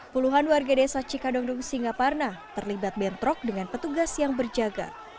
puluhan warga desa cikadongdung singaparna terlibat bentrok dengan petugas yang berjaga